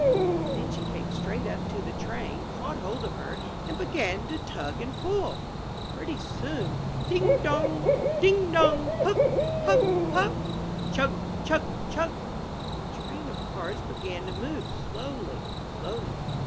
Then she came straight up to the Train, caught hold of her, and began to tug and pull. Pretty soon. Ding, dong! ding, dong! Puff, puff, puff! Chug, chug, chug ! The Train of Cars began to move, slowly, slowly.